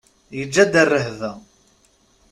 Yeǧǧa-d rrehba.